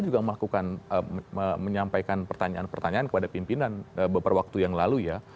juga melakukan menyampaikan pertanyaan pertanyaan kepada pimpinan beberapa waktu yang lalu ya